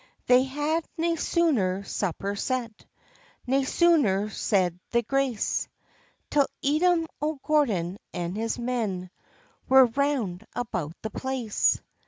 They had nae sooner supper set, Nae sooner said the grace, Till Edom o' Gordon and his men Were round about the place.